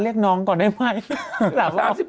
เรียกน้องก่อนได้ไหม